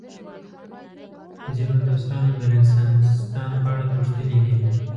ځینو دوستانو د رنسانستان په اړه پوښتلي دي.